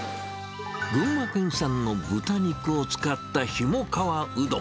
群馬県産の豚肉を使ったひもかわうどん。